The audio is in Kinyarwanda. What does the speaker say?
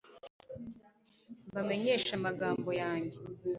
mbamenyeshe amagambo yanjye